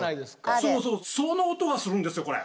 そうそうその音がするんですよこれ。